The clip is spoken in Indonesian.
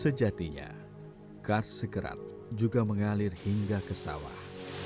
sejatinya kars segerat juga mengalir hingga ke sawah